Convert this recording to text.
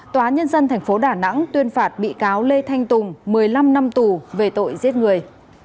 tòa nhân dân tp đà nẵng tuyên phạt bị cáo lê thanh tùng một mươi năm năm tù về tội giết người